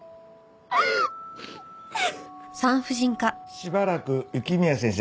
しばらく雪宮先生